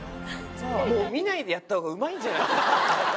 もう見ないでやった方がうまいんじゃない？